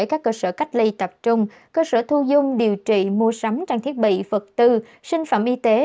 các cơ sở cách ly tập trung cơ sở thu dung điều trị mua sắm trang thiết bị vật tư sinh phẩm y tế